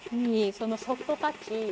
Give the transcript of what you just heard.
そのソフトタッチいいよ。